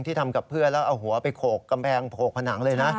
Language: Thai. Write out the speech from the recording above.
ทำกับเพื่อนแล้วเอาหัวไปโขกกำแพงโขกผนังเลยนะ